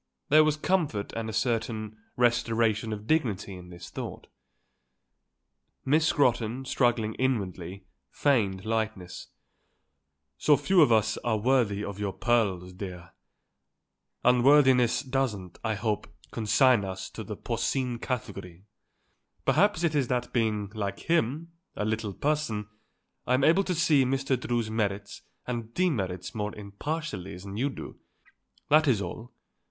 There was comfort and a certain restoration of dignity in this thought. Miss Scrotton, struggling inwardly, feigned lightness. "So few of us are worthy of your pearls, dear. Unworthiness doesn't, I hope, consign us to the porcine category. Perhaps it is that being, like him, a little person, I'm able to see Mr. Drew's merits and demerits more impartially than you do. That is all.